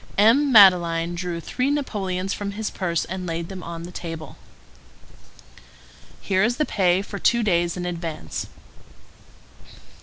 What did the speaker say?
M. Madeleine drew three napoleons from his purse and laid them on the table. "Here is the pay for two days in advance."